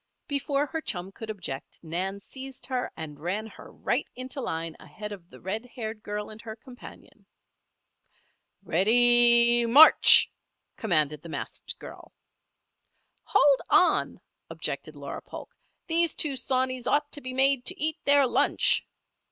Before her chum could object, Nan seized her and ran her right into line ahead of the red haired girl and her companion. "Ready! March!" commanded the masked girl. "Hold on!" objected Laura Polk. "These two sawneys ought to be made to eat their lunch."